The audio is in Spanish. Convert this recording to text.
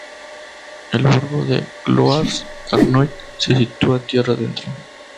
El burgo de Clohars-Carnoët se sitúa tierra adentro.